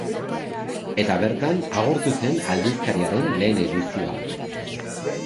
Eta bertan agortu zen aldizkariaren lehen edizioa.